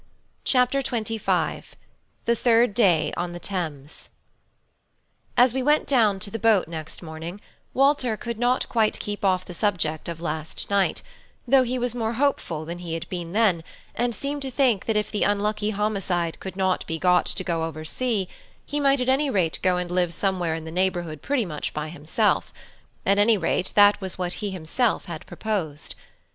CHAPTER XXV: THE THIRD DAY ON THE THAMES As we went down to the boat next morning, Walter could not quite keep off the subject of last night, though he was more hopeful than he had been then, and seemed to think that if the unlucky homicide could not be got to go over sea, he might at any rate go and live somewhere in the neighbourhood pretty much by himself; at any rate, that was what he himself had proposed.